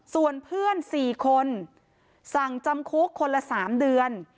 ส่วนเพื่อน๔คนสั่งจำคุกคนละ๓เดือน